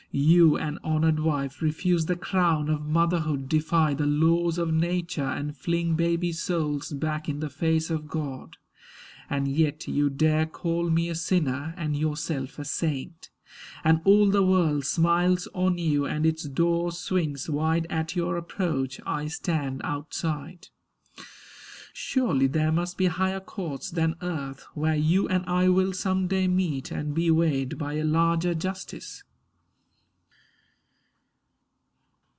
You, an honoured wife, Refuse the crown of motherhood, defy The laws of nature, and fling baby souls Back in the face of God. And yet you dare Call me a sinner, and yourself a saint; And all the world smiles on you, and its doors Swing wide at your approach. I stand outside. Surely there must be higher courts than earth, Where you and I will some day meet and be Weighed by a larger justice.